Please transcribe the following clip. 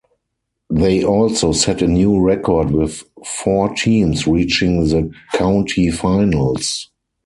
They also set a new record with four teams reaching the county finals.